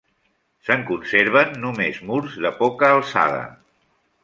Se'n conserven només murs de poca alçada.